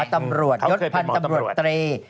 หมอตำรวจยดพันธุ์ตำรวจตี